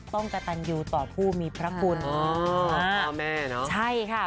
ต้องจะตันอยู่ต่อผู้มีพระคุณอ๋อพ่อแม่เนอะใช่ค่ะ